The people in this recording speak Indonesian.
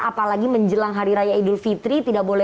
apalagi menjelang hari raya idul fitri